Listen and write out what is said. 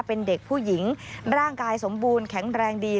เป็นเด็กผู้หญิงร่างกายสมบูรณ์แข็งแรงดี